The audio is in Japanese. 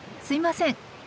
すいません